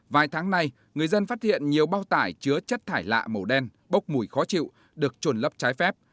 vài tháng nay người dân phát hiện nhiều bao tải chứa chất thải lạ màu đen bốc mùi khó chịu được trôn lấp trái phép